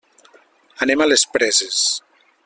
Anem a les Preses.